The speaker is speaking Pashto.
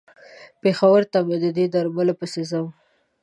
پېښور ته به د دې درملو پسې ځم.